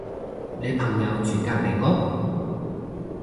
你朋友住隔離屋？